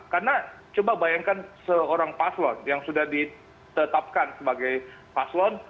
karena coba bayangkan seorang paslon yang sudah ditetapkan sebagai paslon